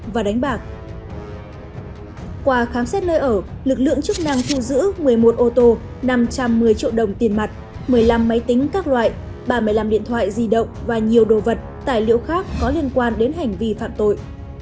và nhiều đồ vật tài liệu khác có liên quan đến hành vi phạm tội